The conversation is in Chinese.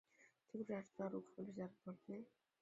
杰克队长收到鲁克的留下来的短片。